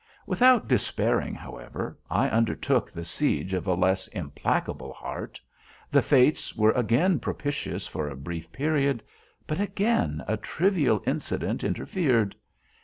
Without despairing, however, I undertook the siege of a less implacable heart. The fates were again propitious for a brief period, but again a trivial incident interfered.